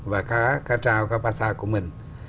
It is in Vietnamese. và cá trao cá passa của mình